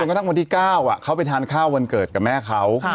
กระทั่งวันที่๙เขาไปทานข้าววันเกิดกับแม่เขา